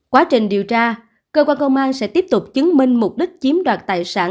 quá trình điều tra cơ quan công an sẽ tiếp tục chứng minh mục đích chiếm đoạt tài sản